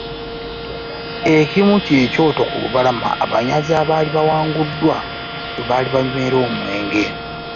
Ekimu kye kyoto ku lubalama abanyazi abaali bawanguddwa we baali banywera omwenge.